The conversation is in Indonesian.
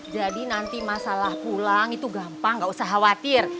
jadi nanti masalah pulang itu gampang gak usah khawatir